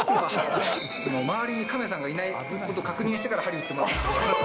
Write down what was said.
周りに亀さんがいないことを確認してからはり打ってもらう。